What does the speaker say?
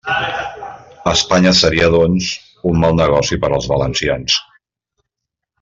Espanya seria, doncs, un «mal negoci» per als valencians.